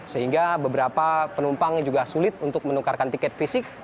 sehingga beberapa penumpang juga sulit untuk menukarkan tiket fisik